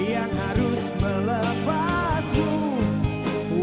yang harus melepasmu